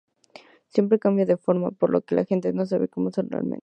Siempre cambia de forma, por lo que la gente no sabe como son realmente.